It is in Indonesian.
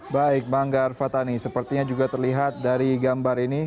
baik manggar fatani sepertinya juga terlihat dari gambar ini